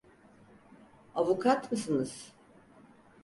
Avukat mısınız?